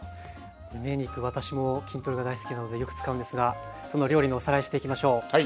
むね肉私も筋トレが大好きなのでよく使うんですがその料理のおさらいしていきましょう。